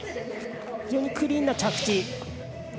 非常にクリーンな着地。